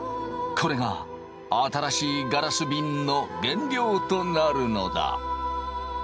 これが新しいガラスびんの原料となるのだ。